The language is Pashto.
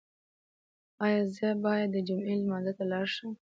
ایا زه باید د جمعې لمانځه ته لاړ شم؟